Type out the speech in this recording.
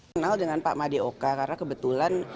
kenal dengan pak madeoka karena kebetulan